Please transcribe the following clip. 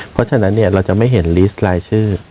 เพราะฉะนั้นเราจะไม่เห็นลิสต์รายชื่อ